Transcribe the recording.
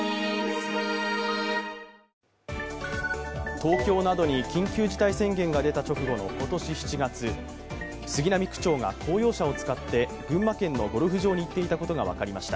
東京などに緊急事態宣言が出た直後の今年７月、杉並区長が公用車を使って群馬県のゴルフ場に行っていたことが分かりました。